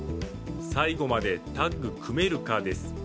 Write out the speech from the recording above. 最後までタッグ組めるかです。